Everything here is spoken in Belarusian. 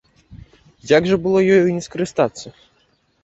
І як жа было ёю не скарыстацца!